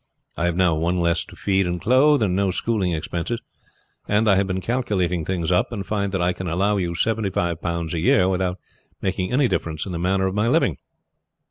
I have now one less to feed and clothe, and no schooling expenses; and I have been calculating things up, and find that I can allow you seventy five pounds a year without making any difference in the manner of my living.